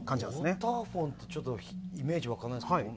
ウォーターフォンってイメージが湧かないですね。